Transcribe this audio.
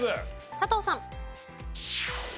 佐藤さん。